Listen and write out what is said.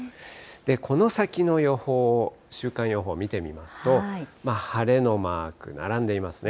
この先の予報を、週間予報を見てみますと、晴れのマーク並んでいますね。